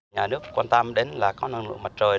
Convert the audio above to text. nhà nước quan tâm đến là có năng lượng mặt trời